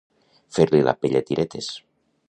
Fer-li la pell a tiretes.